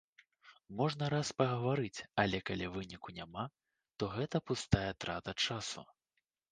Можна раз пагаварыць, але калі выніку няма, то гэта пустая трата часу.